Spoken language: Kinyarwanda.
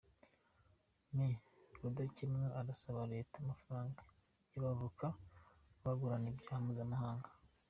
Me Rudakemwa arasaba Leta amafaranga y’abavoka b’ababurana ibyaha mpuzamahanga